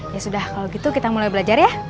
ya sudah kalau gitu kita mulai belajar ya